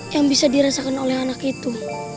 yang bisa dirasakan oleh anak itu